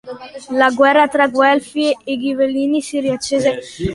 La guerra tra Guelfi e Ghibellini si riaccese.